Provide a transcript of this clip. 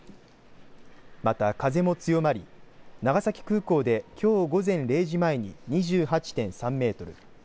また、風も強まり長崎空港で、きょう午前０時前に２８．３メートル